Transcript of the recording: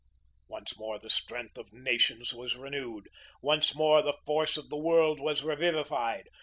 Once more the strength of nations was renewed. Once more the force of the world was revivified.